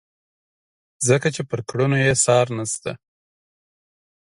ځکه چې پر کړنو یې څار نشته.